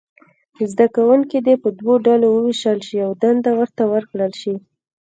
زده کوونکي دې په دوو ډلو وویشل شي او دنده ورته ورکړل شي.